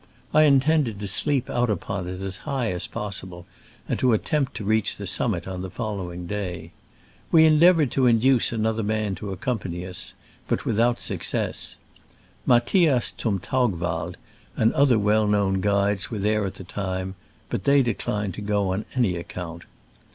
I intended to sleep out upon it as high as possible, and to attempt to reach the summit on the following day. We endeavored to» induce another man to accompany us, but without success. Matthias zum Taugwald and other well known guides were there at the time, but they declined to go on any account.